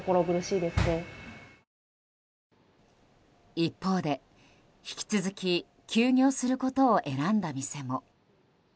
一方で、引き続き休業することを選んだ店も。